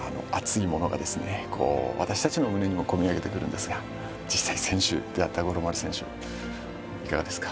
こう私たちの胸にも込み上げてくるんですが実際選手であった五郎丸選手いかがですか？